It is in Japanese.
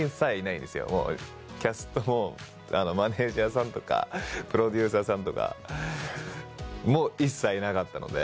キャストもマネジャーさんとかプロデューサーさんとかも一切いなかったので。